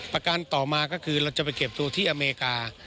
ประการต่อมาก็คือเราจะไปเก็บตัวที่อเมริกา